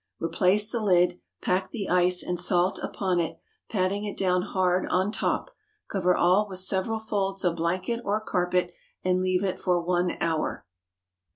Replace the lid, pack the ice and salt upon it, patting it down hard on top; cover all with several folds of blanket or carpet, and leave it for one hour.